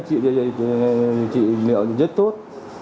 chị liệu rất tốt